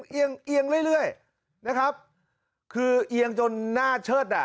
เอียงเรื่อยนะครับคือเอียงจนหน้าเชิดอ่ะ